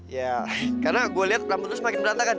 ya karena gue liat rambut lu semakin berantakan